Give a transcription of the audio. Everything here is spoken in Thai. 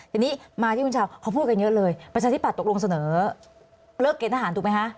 ทีนี้มาที่คุณชาวเขาพูดกันเยอะเลยประชาธิบัตย์ตกลงเสนอเลิกเกณฑหารถูกไหมคะ